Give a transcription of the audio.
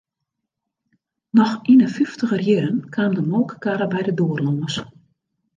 Noch yn 'e fyftiger jierren kaam de molkekarre by de doar lâns.